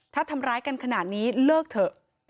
ถ้าทำร้ายกันขนาดนี้เลิกเถอะ